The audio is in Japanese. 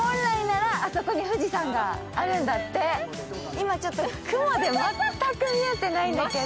今、ちょっと雲で全く見えてないんですけど。